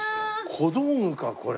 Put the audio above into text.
小道具かこれ。